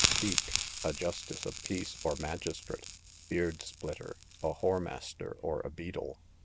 Beak, a justice of peace, or magistrate. Beard splitter, a whoremaster, or a beadle.